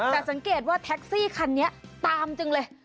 แต่สังเกตว่าแท็กซี่คันนี้ตามจังเลย